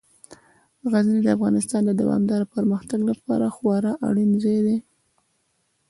غزني د افغانستان د دوامداره پرمختګ لپاره خورا اړین ځای دی.